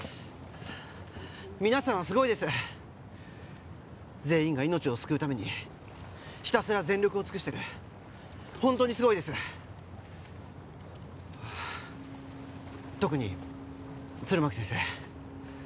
皆さんはすごいです全員が命を救うためにひたすら全力を尽くしてる本当にすごいです特に弦巻先生